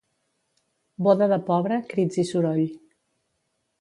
Boda de pobre, crits i soroll.